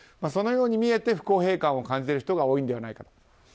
そのように見えて不公平感を感じている人が多いのではないかと。